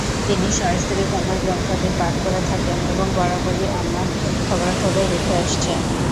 তিনি সস্ত্রীক আমার গ্রন্থাদি পাঠ করে থাকেন এবং বরাবরই আমার খবরাখবর রেখে আসছেন।